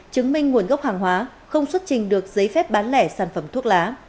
chứng minh nguồn gốc hàng hóa không xuất trình được giấy phép bán lẻ sản phẩm thuốc lá